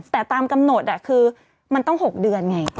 แต่ตามกำหนดคือมันต้อง๖เดือนไง